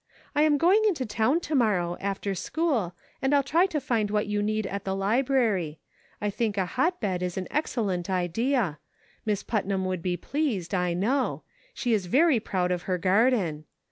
I am going into town to morrow, after school, and I'll try to find what you need at the library. I think CIRCLES. 135 a hotbed is an excellent idea ; Miss Putnam would be pleased, I know ; she is very proud of her garden.